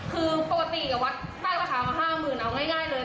คือปกติแบบว่าใส่ราคามา๕๐๐๐๐เอาง่ายเลย